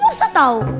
ya siapa tahu